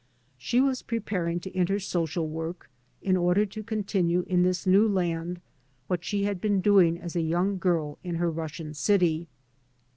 She was preparing to enter social work in order to continue in this new land what she had heen doing as a young girl in her Russian city.